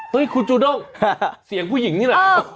เฮ้ยคุณจูนกเสียงผู้หญิงนี่แหละ